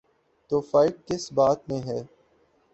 تو فرق کس بات میں ہے؟